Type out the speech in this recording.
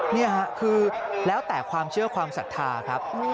นี่ค่ะคือแล้วแต่ความเชื่อความศรัทธาครับ